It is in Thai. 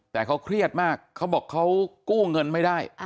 แต่เขาเครียดมากเขาบอกเขากู้เงินไม่ได้